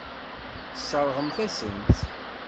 Tesseṛɣemt-asen-tt.